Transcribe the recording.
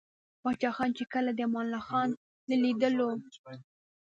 پاچاخان ،چې کله دې امان الله خان له ليدلو o